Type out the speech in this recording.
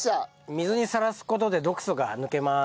水にさらす事で毒素が抜けます。